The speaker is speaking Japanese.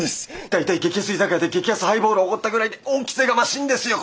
大体激安居酒屋で激安ハイボールをおごったぐらいで恩着せがましいんですよ